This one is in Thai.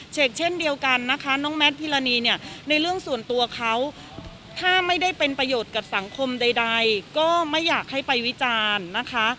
เช่นเดียวกันนะคะน้องแมทพิรณีเนี่ยในเรื่องส่วนตัวเขาถ้าไม่ได้เป็นประโยชน์กับสังคมใดก็ไม่อยากให้ไปวิจารณ์นะคะ